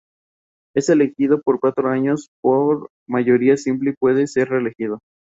Es elegido por cuatro años por mayoría simple y puede ser reelegido.